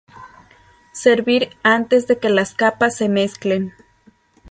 Servir antes de que las capas se mezclen.